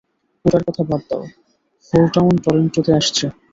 ওটার কথা বাদ দাও, ফোরটাউন টরন্টোতে আসছে!